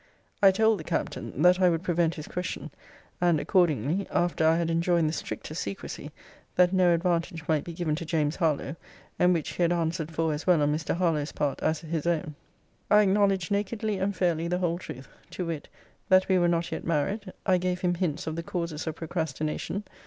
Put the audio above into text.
I told the Captain, that I would prevent his question; and accordingly (after I had enjoined the strictest secrecy, that no advantage might be given to James Harlowe, and which he had answered for as well on Mr. Harlowe's part as his own) I acknowledged nakedly and fairly the whole truth to wit, 'That we were not yet married. I gave him hints of the causes of procrastination.